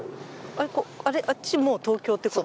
あっち、もう東京ってこと？